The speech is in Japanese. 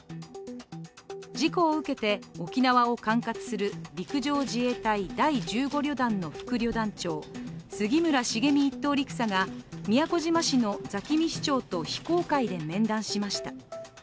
事故を受けて、沖縄を管轄する陸上自衛隊第１５旅団の副旅団長杉村繁実一等陸佐が宮古島市の座喜味市長と非公開で面談しました。